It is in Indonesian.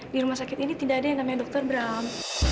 di rumah sakit ini tidak ada yang namanya dr bram